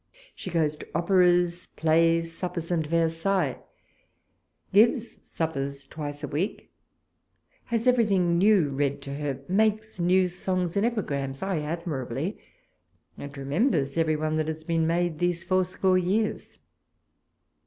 She goes to Operas, Plays, suppers, and Versailles ; gives suppers twice a week ; has everything new read to her ; makes new songs and epigrams, ay, admirably, and remembers every one that has been made these fourscore years.